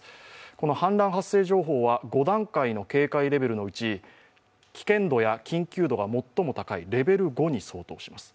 この氾濫発生情報は５段階の警戒レベルのうち危険度や緊急度が最も高いレベル５に相当します。